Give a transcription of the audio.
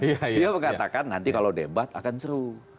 dia mengatakan nanti kalau debat akan seru